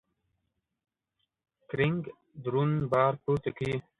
کرینګ درون بار پورته کوي.